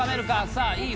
さあいい